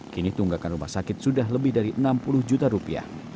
kini tunggakan rumah sakit sudah lebih dari enam puluh juta rupiah